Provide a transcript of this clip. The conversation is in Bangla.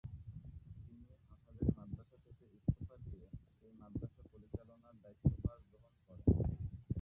তিনি হাটহাজারী মাদ্রাসা থেকে ইস্তফা দিয়ে এই মাদ্রাসা পরিচালনার দায়িত্বভার গ্রহণ করেন।